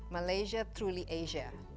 malaysia truly asia